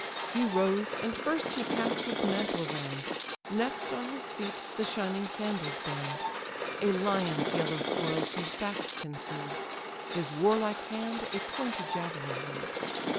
He rose, and first he cast his mantle round, Next on his feet the shining sandals bound; A lion's yellow spoils his back conceal'd; His warlike hand a pointed javelin held.